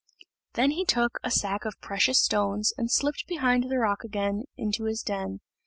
Then he took a sack of precious stones, and slipped behind the rock again into his den.